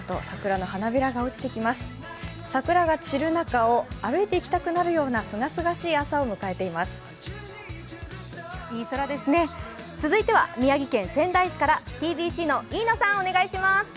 桜が散る中を歩いていきたくなるようなすがすがしい朝を迎えています。